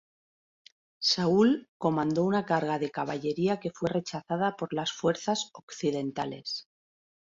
Saúl comandó una carga de caballería que fue rechazada por las fuerzas occidentales.